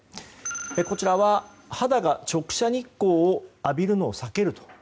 こちらは肌が直射日光を浴びるのを避けると。